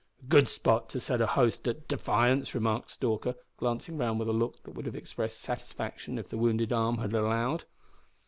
"A good spot to set a host at defiance," remarked Stalker, glancing round with a look that would have expressed satisfaction if the wounded arm had allowed.